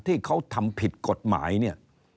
ที่เขาทำผิดกฎหมายเนี่ย